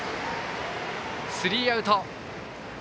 スリーアウト。